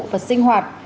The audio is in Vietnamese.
và sinh hoạt